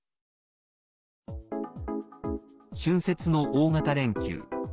春節の大型連休。